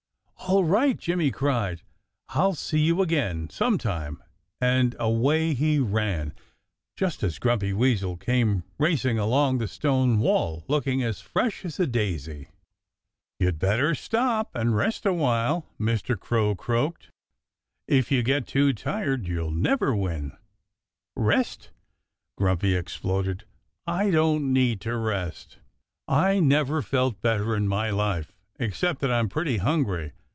"All right!" Jimmy cried. "I'll see you again sometime!" And away he ran, just as Grumpy Weasel came racing along the stone wall, looking as fresh as a daisy. "You'd better stop and rest a while!" Mr. Crow croaked. "If you get too tired you'll never win." "Rest!" Grumpy exploded. "I don't need to rest! I never felt better in my life, except that I'm pretty hungry.